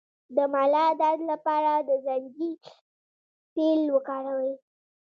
د ملا درد لپاره د زنجبیل تېل وکاروئ